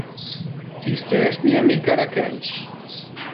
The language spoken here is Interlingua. Iste es mi amica Rachel.